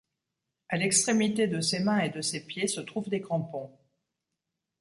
À l'extrémité de ses mains et de ses pieds se trouvent des crampons.